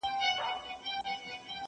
دا چي دي په سرو اناري سونډو توره نښه ده,